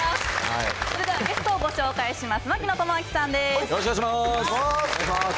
それではゲストをご紹介します。